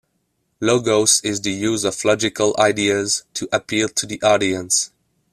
Logos is the use of logical ideas to appeal to the audience.